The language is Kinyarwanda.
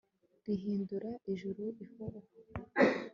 rihindura ijuru ihoho